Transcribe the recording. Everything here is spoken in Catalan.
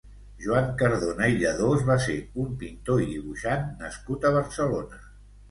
Joan Cardona i Lladós va ser un pintor i dibuixant nascut a Barcelona.